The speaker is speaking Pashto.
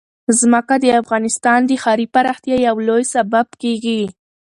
ځمکه د افغانستان د ښاري پراختیا یو لوی سبب کېږي.